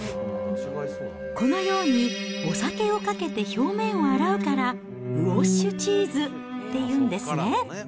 このようにお酒をかけて表面を洗うから、ウォッシュチーズっていうんですね。